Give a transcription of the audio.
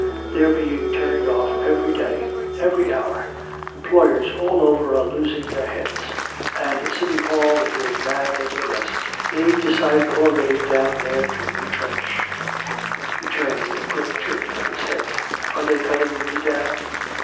They're being turned off every day, every hour employers all over are losing their heads! And City Hall is as mad as the rest! They've decided already down there to retrench!" He turned with a quick jerk of his head: "Are they cutting you down?"